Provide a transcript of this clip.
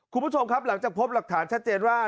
คุณผู้ชมครับหลังจากพบหลักฐานชัดเจนว่า